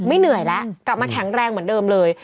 เหนื่อยแล้วกลับมาแข็งแรงเหมือนเดิมเลย